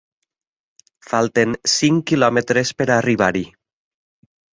Falten cinc quilòmetres per a arribar-hi.